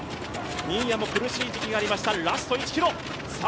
新谷も苦しい時期がありました、ラスト１ｋｍ。